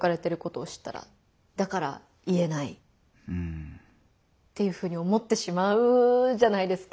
だから言えないっていうふうに思ってしまうじゃないですか。